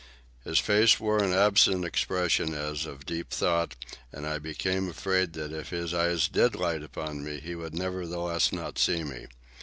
His face wore an absent expression, as of deep thought, and I became afraid that if his eyes did light upon me he would nevertheless not see me.